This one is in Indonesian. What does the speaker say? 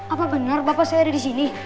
apa benar bapak saya ada disini